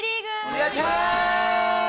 お願いします！